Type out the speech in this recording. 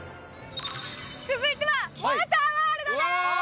続いてはウォーターワールドです！